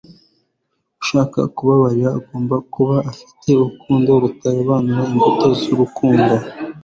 ushaka kubabarira agomba kuba yifitemo urukundo rutarobanura.imbuto z'urukundo